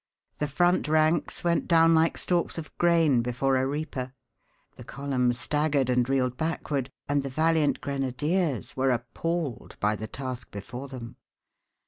The front ranks went down like stalks of grain before a reaper; the column staggered and reeled backward, and the valiant grenadiers were appalled by the task before them.